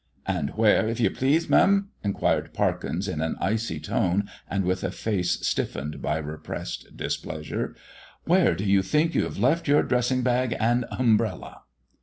"And where, if you please, mem," inquired Parkins, in an icy tone and with a face stiffened by repressed displeasure "where do you think you have left your dressing bag and humbrella?"